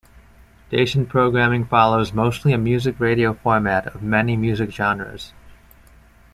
Station programming follows mostly a music radio format of many music genres.